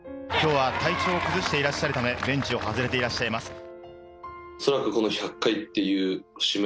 今日は体調を崩していらっしゃるためベンチを外してらっしゃいます。